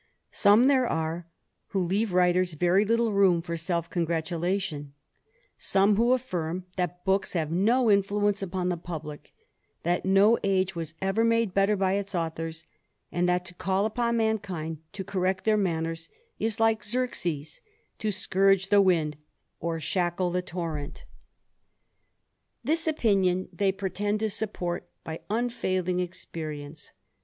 Some there are who leave writers very little room fox self congratulation; some who affirm, that books have xaO influence upon the publick, that no age was ever mad^ better by its authors, and that to call upon mankind tc correct their manners, is like Xerxes^ to scourge the winds or shackle the torrent * Note XXII., Appendix, THE ADVENTURER. 263 This opinion they pretend to support by unfailing eaq)erience.